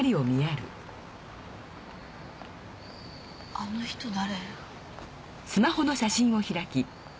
あの人誰？